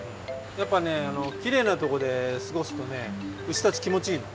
やっぱねきれいなとこですごすとねうしたちきもちいいの！